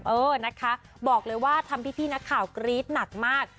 เออนะคะบอกเลยว่าทำพี่นักข่าวกรี๊ดหนักมาก